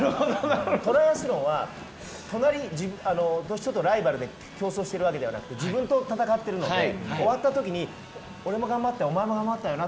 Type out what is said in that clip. トライアスロンはライバルで競争しているわけじゃなくて自分と戦っているので終わった時に俺も頑張ったよな